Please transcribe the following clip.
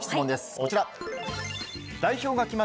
こちら。